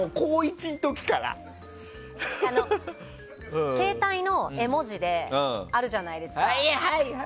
俺が携帯の絵文字であるじゃないですか。